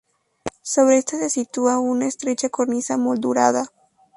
Sobre este se sitúa una estrecha cornisa moldurada.